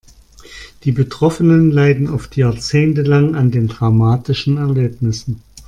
Die Betroffenen leiden oft jahrzehntelang an den traumatischen Erlebnissen.